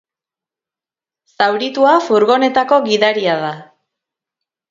Zauritua furgonetako gidaria da.